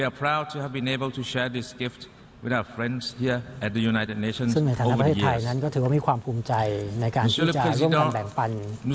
ในประเทศไทยและในประเทศอื่นอื่นนะครับ